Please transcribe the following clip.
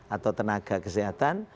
atau tenaga kesehatan